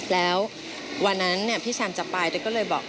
แล้ววันนั้นพี่แซมจะไปเต๊กก็เลยบอก